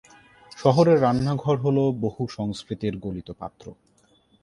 শহরের রান্নাঘর হ'ল বহু সংস্কৃতির গলিত পাত্র।